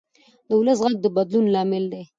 د ولس غږ د بدلون لامل دی